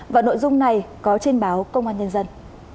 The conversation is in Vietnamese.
và nội dung này có trên báo công an nhân dân